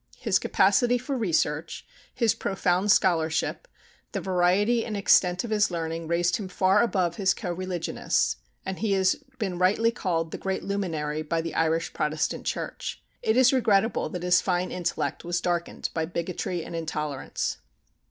His capacity for research, his profound scholarship, the variety and extent of his learning raised him far above his co religionists, and he has been rightly called the Great Luminary by the Irish Protestant church. It is regrettable that his fine intellect was darkened by bigotry and intolerance.